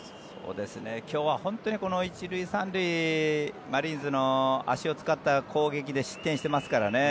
今日は本当にこの１塁３塁マリーンズの足を使った攻撃で失点してますからね。